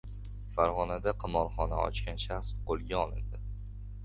Farg‘onada qimorxona ochgan shaxs qo‘lga olindi